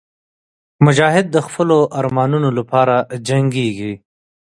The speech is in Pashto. مجاهد د خپلو ارمانونو لپاره جنګېږي.